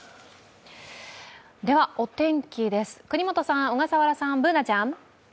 では、お天気です、國本さん、小笠原さん、Ｂｏｏｎａちゃん。